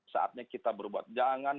saatnya kita berbuat jangan